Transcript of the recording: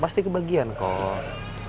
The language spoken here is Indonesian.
pasti kebagian kok